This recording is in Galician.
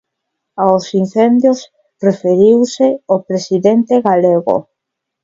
A os incendios referiuse o presidente galego.